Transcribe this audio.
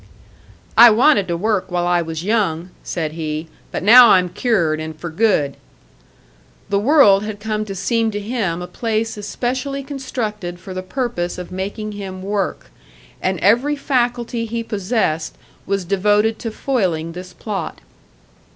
"I wanted to work while I was young," said he, "but now I'm cured, an' fer good." The world had come to seem to him a place especially constructed for the purpose of making him work, and every faculty he possessed was devoted to foiling this plot.